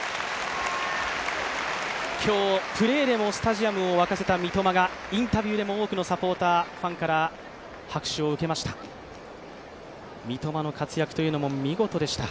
今日、プレーでもスタジアムを沸かせた三笘がインタビューでも多くのサポーター、ファンから拍手を受けました。